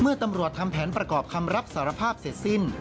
ตำรวจทำแผนประกอบคำรับสารภาพเสร็จสิ้น